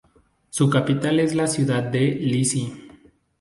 Su capital es la ciudad de Lecce.